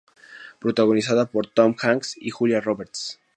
Protagonizada por Tom Hanks y Julia Roberts.